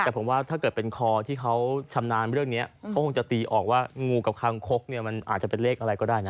แต่ผมว่าถ้าเกิดเป็นคอที่เขาชำนาญเรื่องนี้เขาคงจะตีออกว่างูกับคางคกเนี่ยมันอาจจะเป็นเลขอะไรก็ได้นะ